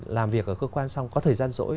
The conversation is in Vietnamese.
làm việc ở cơ quan xong có thời gian rỗi